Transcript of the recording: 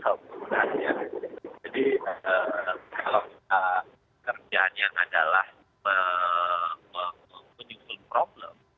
jadi kalau kerjanya adalah menjusul problem